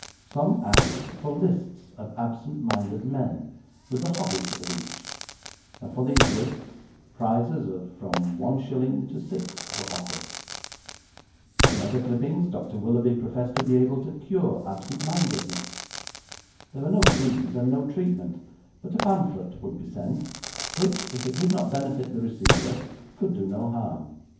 Some asked for lists of absent minded men, with the hobbies of each, and for these lists, prizes of from one shilling to six were offered. In other clippings Dr. Willoughby professed to be able to cure absent mindedness. There were no fees, and no treatment, but a pamphlet would be sent, which, if it did not benefit the receiver, could do no harm.